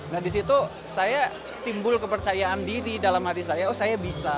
nah disitu saya timbul kepercayaan diri dalam hati saya oh saya bisa